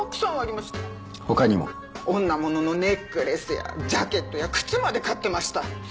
女物のネックレスやジャケットや靴まで買ってました。